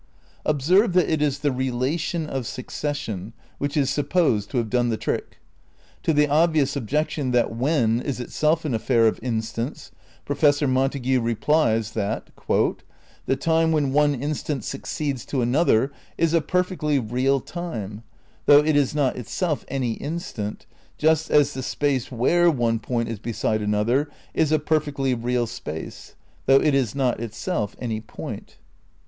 Observe that it is the relation of succession which is supposed to have done the trick. To the obvious ob jection, that "when" is itself an affair of instants, Professor Montague replies that "the time when one instant succeeds to another is a perfectly real time, though it is not itself any instant, just as the 'space where* one point is beside another is a perfectly real space, though it is not itself any point."